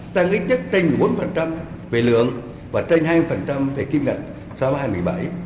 tăng ít nhất trên một mươi bốn về lượng và trên hai mươi về kim ngạch sau hai mươi bảy